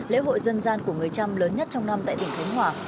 lễ hội dân gian của người trăm lớn nhất trong năm tại tỉnh khánh hòa